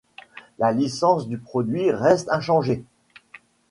La licence du produit reste inchangée.